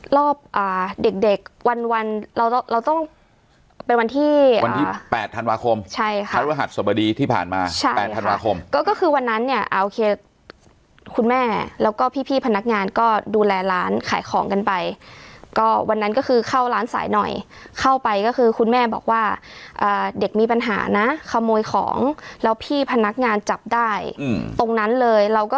โรบเด็กวันเราต้องดูแลร้านได้ข้างกันไปก็วันนั้นที่เข้าร้านสายหน่อยเข้าไปก็คือคุณแม่บอกว่าเด็กมีปัญหานะขโมยของแล้วพี่พนักงานจับได้ตรงนั้นเลยเราก็